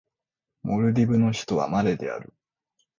モルディブの首都はマレである